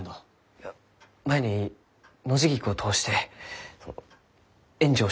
いや前にノジギクを通してその援助をしていただきました。